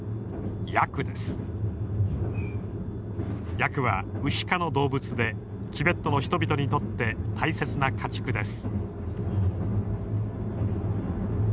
ヤクはウシ科の動物でチベットの人々にとって大切な家畜です。